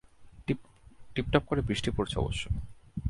Tiptop করে বৃষ্টি অবশ্য পড়ছে।